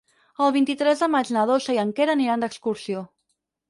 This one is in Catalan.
El vint-i-tres de maig na Dolça i en Quer aniran d'excursió.